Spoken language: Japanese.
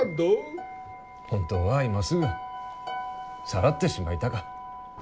本当は今すぐさらってしまいたか。